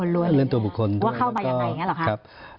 เล่นตัวบุคคลด้วยว่าเข้ามาอย่างไรอย่างนั้นหรอครับ